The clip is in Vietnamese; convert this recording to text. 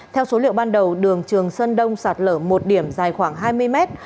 theo số liệu ban đầu đường trường sơn đông sạt lở một điểm dài khoảng hai mươi mét